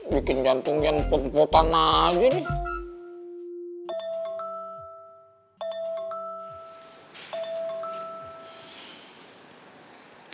bikin jantungnya ngepot potan aja nih